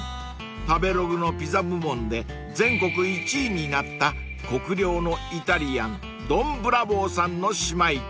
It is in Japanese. ［食べログのピザ部門で全国１位になった国領のイタリアンドンブラボーさんの姉妹店］